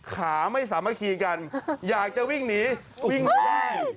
ขาไม่สามารถคีกันอยากจะวิ่งหนีวิ่งแห้ง